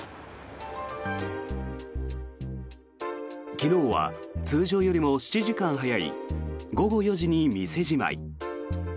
昨日は通常よりも７時間早い午後４時に店じまい。